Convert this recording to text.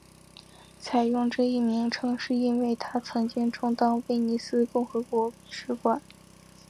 采用这一名称是因为它曾经充当威尼斯共和国使馆。